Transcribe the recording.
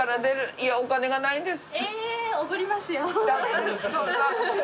いやお金がないんです。